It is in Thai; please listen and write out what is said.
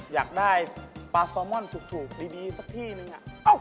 อยากได้ปลาซอมอนถูกดีสักที่นึง